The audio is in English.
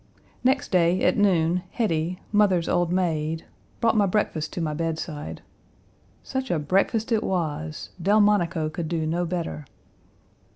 Next day, at noon, Hetty, mother's old maid, brought my breakfast to my bedside. Such a breakfast it was! Delmonico could do no better.